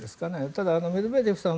ただ、メドベージェフさん